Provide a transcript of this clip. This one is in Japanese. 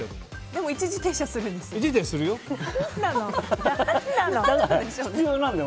でも一時停止はするんですね。